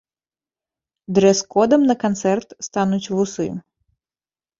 Дрэс-кодам на канцэрт стануць вусы.